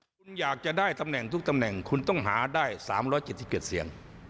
คุณอยากจะได้ตำแหน่งทุกตำแหน่งคุณต้องหาได้๓๗๗เสียง